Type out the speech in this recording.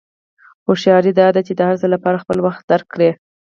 هوښیاري دا ده چې د هر څه لپاره خپل وخت درک کړې.